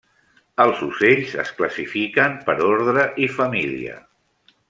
Els ocells es classifiquen per ordre i família.